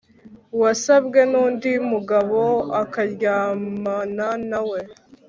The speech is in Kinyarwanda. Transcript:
wasabwe n undi mugabo akaryamana na we